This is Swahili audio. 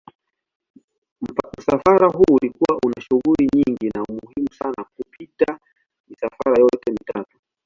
Msafara huu ulikuwa una shughuli nyingi na muhimu sana kupita misafara yote mitatu.